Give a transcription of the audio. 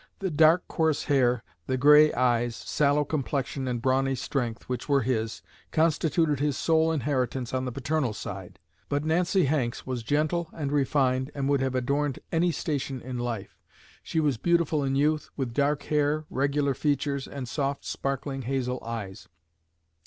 The dark coarse hair, the gray eyes, sallow complexion, and brawny strength, which were his, constituted his sole inheritance on the paternal side. But Nancy Hanks was gentle and refined, and would have adorned any station in life. She was beautiful in youth, with dark hair, regular features, and soft sparkling hazel eyes.